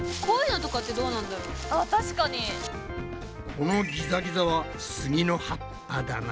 このギザギザはスギの葉っぱだな。